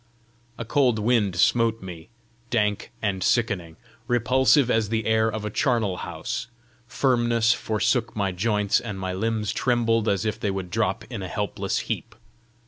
A cold wind smote me, dank and sickening repulsive as the air of a charnel house; firmness forsook my joints, and my limbs trembled as if they would drop in a helpless heap.